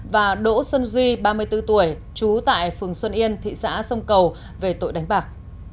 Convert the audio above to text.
và đỗ xuân duy ba mươi bốn tuổi trú tại phường xuân yên thị xã sông cầu về tội đánh bạc